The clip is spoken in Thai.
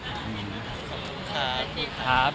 ขอบคุณค่ะพี่ครับ